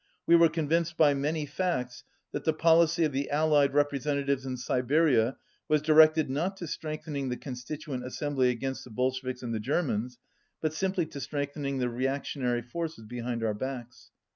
We were convinced by many facts that the policy of the Allied representa tives in Siberia was directed not to strengthening the Constituent Assembly against the Bolsheviks and the Germans, but simply to strengthening the reactionary forces behind our backs."